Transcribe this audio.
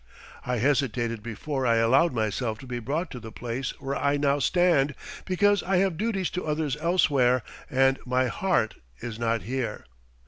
I hesitated before I allowed myself to be brought to the place where I now stand, because I have duties to others elsewhere, and my heart is not here.